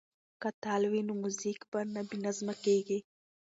که تال وي نو موزیک نه بې نظمه کیږي.